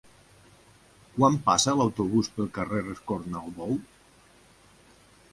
Quan passa l'autobús pel carrer Escornalbou?